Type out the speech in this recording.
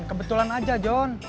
kebetulan aja john